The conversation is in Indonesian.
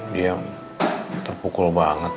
dia terpukul banget